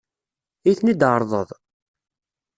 Ad iyi-ten-tɛeṛḍeḍ?